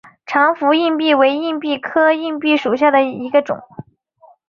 长蝠硬蜱为硬蜱科硬蜱属下的一个种。